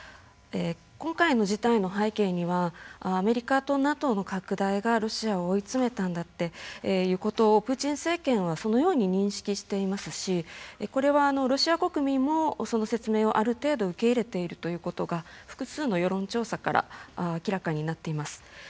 今回の事態の背景にはアメリカとＮＡＴＯの拡大がロシアを追い詰めたんだということをプーチン政権はそのように認識していますしこれはロシア国民も、その説明をある程度受け入れてるということが複数の世論調査から明らかになっています。